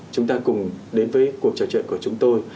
chúng ta cùng đến với cuộc trò chuyện của chúng tôi